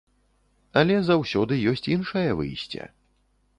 Але заўсёды ёсць іншае выйсце.